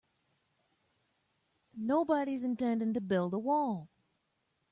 Nobody's intending to build a wall.